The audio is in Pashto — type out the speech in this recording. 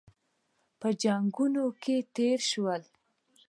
په جنګونو کې تېر شول.